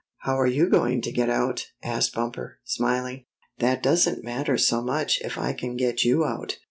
" "How are you going to get out?" asked Bumper, smiling. "That doesn't matter so much if I can get you out."